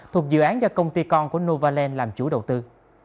thuộc dự án do công ty con của novaland làm chủ đầu tư